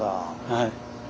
はい。